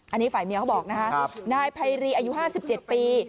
อันนี้ฝ่ายเมียเขาบอกนะครับนายไพรีอายุ๕๗ปี